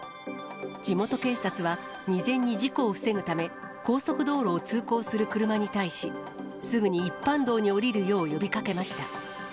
地元警察は、未然に事故を防ぐため、高速道路を通行する車に対し、すぐに一般道に降りるよう呼びかけました。